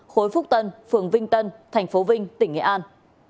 khối phúc tân phường vinh tân thành phố vinh tỉnh nghệ an